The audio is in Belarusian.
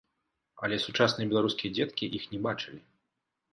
Але сучасныя беларускія дзеткі іх не бачылі.